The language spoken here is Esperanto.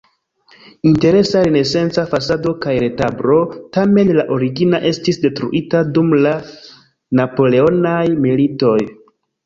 Interesa renesanca fasado kaj retablo, tamen la origina estis detruita dum la napoleonaj militoj.